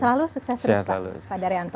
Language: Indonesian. selalu sukses terus pak daryanto